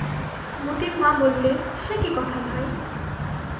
মোতির মা বললে, সে কি কথা ভাই!